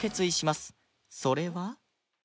それは